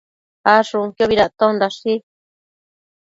Ashunquiobi dactondashi